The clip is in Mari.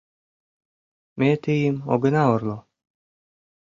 Ме тыйым огына орло.